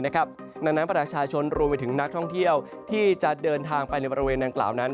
ดังนั้นประชาชนรวมไปถึงนักท่องเที่ยวที่จะเดินทางไปในบริเวณดังกล่าวนั้น